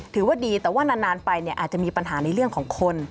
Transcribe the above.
ถือว่าดีแต่ว่านานไปเนี่ยอาจจะมีปัญหาในเรื่องของคน